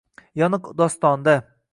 Yoniq dostonda.